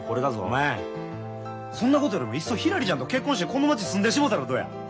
お前そんなことよりもいっそひらりちゃんと結婚してこの町に住んでしもうたらどうや？